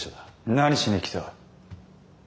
何しに来た？